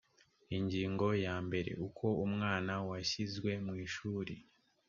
ingingo ya mbere uko umwana washyizwe mu ishuri